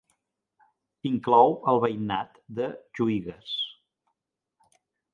Inclou el veïnat de Juïgues.